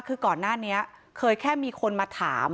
คือก่อนหน้านี้เคยแค่มีคนมาถาม